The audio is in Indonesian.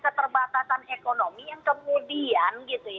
keterbatasan ekonomi yang kemudian